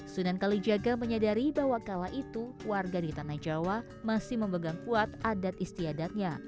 sunan kalijaga menyadari bahwa kala itu warga di tanah jawa masih memegang kuat adat istiadatnya